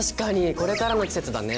これからの季節だね。